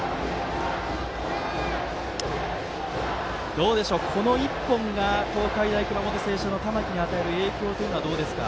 どうでしょう、この１本が東海大熊本星翔の玉木に与える影響はどうですか？